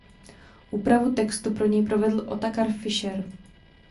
Úpravu textu pro něj provedl Otokar Fischer.